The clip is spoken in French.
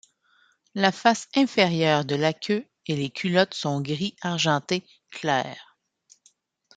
La face inférieure de la queue et les culottes sont gris argenté clair.